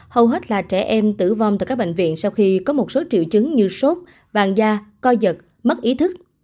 hầu hết là trẻ em tử vong tại các bệnh viện sau khi có một số triệu chứng như sốt vàng da co giật mất ý thức